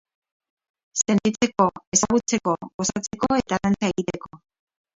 Sentitzeko, ezagutzeko, gozatzeko eta dantza egiteko.